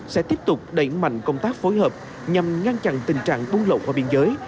sẽ tiếp tục đẩy mạnh công tác phối hợp nhằm ngăn chặn tình trạng buôn lậu qua biên giới